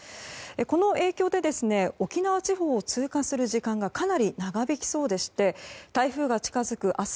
この影響で沖縄地方を通過する時間がかなり長引きそうでして台風が近づく明日